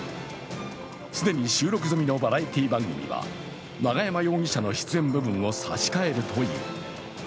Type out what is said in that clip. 既に収録済みのバラエティー番組は永山容疑者の出演部分を差し替えるという。